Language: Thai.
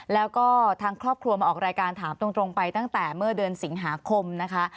แล้วก็ทางครอบครัวมาออกรายการถามตรงไปตั้งแต่เมื่อเดือนสิงหาคมนะคะ